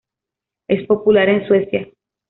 Es popular en Suecia.